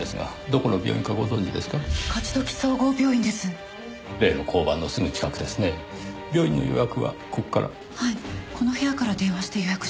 この部屋から電話して予約しました。